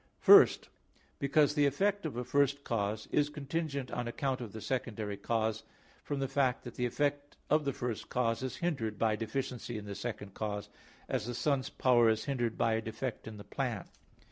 First, because the effect of a first cause is contingent on account of the secondary cause, from the fact that the effect of the first cause is hindered by deficiency in the second cause, as the sun's power is hindered by a defect in the plant.